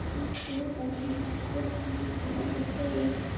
কিন্তু তামিলনাড়ু এখনও ভালো অবস্থানে রয়েছে।